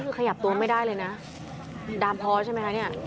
คือขยับตัวไม่ได้เลยนะดามพอใช่ไหมคะเนี่ย